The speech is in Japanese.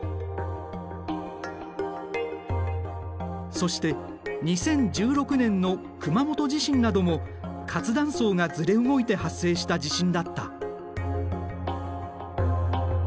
そして２０１６年の熊本地震なども活断層がずれ動いて発生した地震だった。